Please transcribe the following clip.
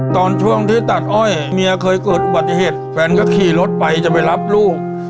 ตอนช่วงที่ตัดอ้อยเมียเคยเกิดอุบัติเหตุแฟนก็ขี่รถไปจะไปรับลูก